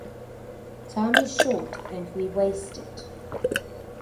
Time is short and we waste it.